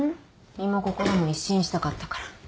身も心も一新したかったから。